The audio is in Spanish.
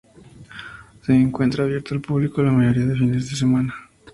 Se encuentra abierto al público la mayoría de fines de semana.